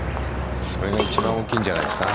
それが一番大きいんじゃないですか。